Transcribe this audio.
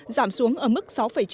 giảm xuống ở mức sáu chín